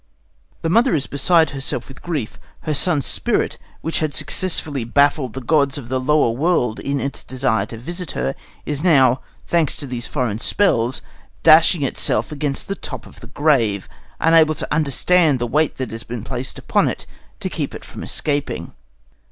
The mother is beside herself with grief. Her son's spirit, which had successfully baffled the gods of the lower world in its desire to visit her, is now, thanks to these foreign spells, dashing itself against the top of the grave, unable to understand the weight that has been placed upon it to keep it from escaping.